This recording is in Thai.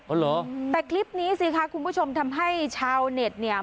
เหรอแต่คลิปนี้สิคะคุณผู้ชมทำให้ชาวเน็ตเนี่ย